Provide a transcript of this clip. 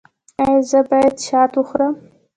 ایا زه باید شات وخورم؟